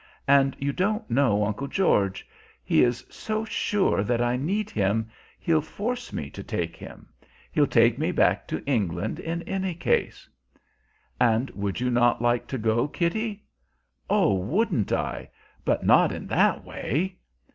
And you don't know Uncle George. He is so sure that I need him, he'll force me to take him. He'll take me back to England in any case." "And would you not like to go, Kitty?" "Ah, wouldn't I! But not in that way."